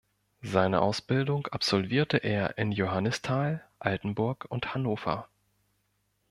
Seine Ausbildung absolvierte er in Johannisthal, Altenburg und Hannover.